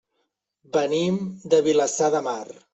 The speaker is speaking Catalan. Venim de Vilassar de Mar.